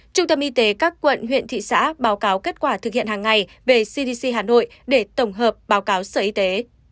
trung tâm y tế các quận huyện thị xã báo cáo kết quả thực hiện hàng ngày về cdc hà nội để tổng hợp báo cáo sở y tế